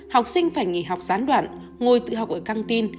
học sinh phải nghỉ học gián đoạn ngồi tự học ở căng tin